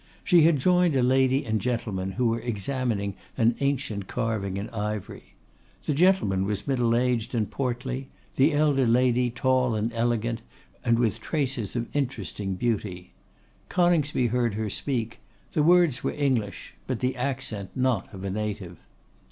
She had joined a lady and gentleman, who were examining an ancient carving in ivory. The gentleman was middle aged and portly; the elder lady tall and elegant, and with traces of interesting beauty. Coningsby heard her speak; the words were English, but the accent not of a native.